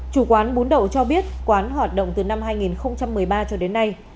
chủ quán bún đậu cho biết quán hoạt động từ năm hai nghìn một mươi ba cho đến nay